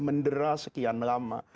mendera sekian lama